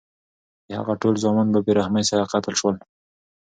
د هغه ټول زامن په بې رحمۍ سره قتل شول.